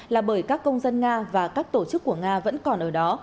là bởi các công dân nga và các tổ chức của nga vẫn còn ở đó